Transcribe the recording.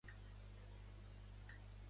Què va fer a Palma, Virenque?